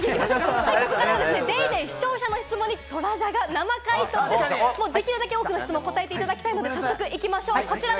ここからは『ＤａｙＤａｙ．』視聴者の質問にトラジャが生回答、できるだけ多く答えていただきたいので、早速いきましょう。